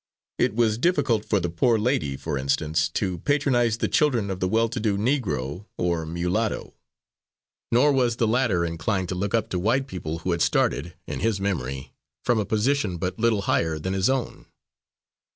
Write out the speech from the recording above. It was difficult for the poor lady, for instance, to patronise the children of the well to do Negro or mulatto; nor was the latter inclined to look up to white people who had started, in his memory, from a position but little higher than his own.